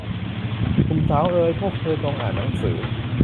หนุ่มสาวเอย พวกเธอจงอ่านหนังสือ